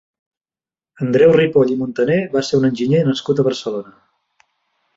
Andreu Ripoll i Muntaner va ser un enginyer nascut a Barcelona.